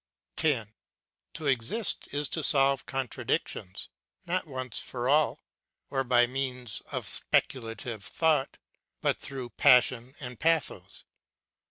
10. To exist is to solve contradictions, not once for all, or by means of speculative thought, but through passion and pathos.